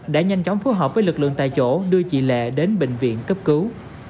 đã nhanh chóng phối hợp với lực lượng tại chỗ đưa chị lệ đến bệnh viện cấp cứu